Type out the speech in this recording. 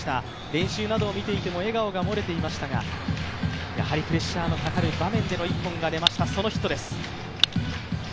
練習などを見ていても笑顔が漏れていましたが、やはりプレッシャーのかかる場面での一本が出ました、そのヒットです。